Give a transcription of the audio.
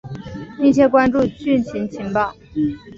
密切关注汛情预报